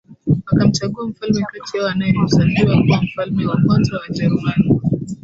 Wakamchagua mfalme kati yao anayehesabiwa kuwa mfalme wa kwanza wa Wajerumani